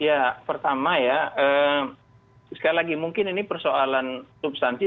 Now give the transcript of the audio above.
ya pertama ya sekali lagi mungkin ini persoalan substansi